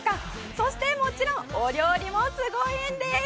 そして、もちろんお料理もすごいんです。